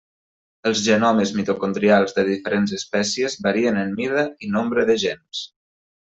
Els genomes mitocondrials de diferents espècies varien en mida i nombre de gens.